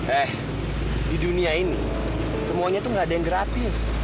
eh di dunia ini semuanya tuh gak ada yang gratis